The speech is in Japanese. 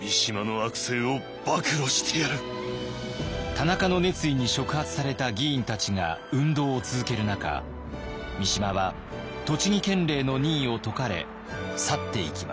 田中の熱意に触発された議員たちが運動を続ける中三島は栃木県令の任を解かれ去っていきました。